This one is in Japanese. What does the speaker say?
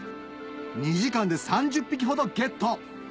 ２時間で３０匹ほどゲット